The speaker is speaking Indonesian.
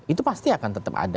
itu pasti akan tetap ada